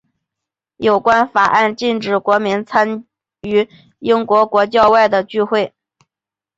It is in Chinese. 有关法案禁止国民参与英国国教以外的聚会。